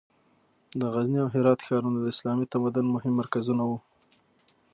د غزني او هرات ښارونه د اسلامي تمدن مهم مرکزونه وو.